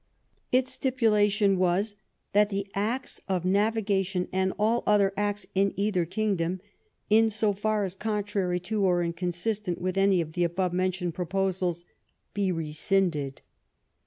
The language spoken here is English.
Its stipu lation was " That the Acts of Navigation, and all other Acts in either kingdom, in so far as contrary to or in consistent with any of the above mentioned proposals, be rescinded."